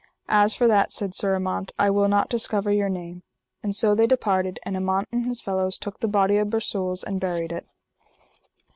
As for that, said Sir Amant, I will not discover your name; and so they departed, and Amant and his fellows took the body of Bersules and buried it.